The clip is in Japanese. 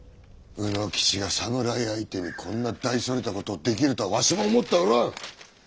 卯之吉が侍相手にこんな大それたことできるとはわしも思ってはおらん！